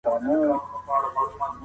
بد اخلاق تل تياره خپروي